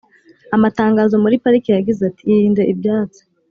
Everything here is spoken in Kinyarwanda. amatangazo muri parike yagize ati "irinde ibyatsi".